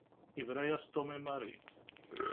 Yebra-yas Tom i Mary.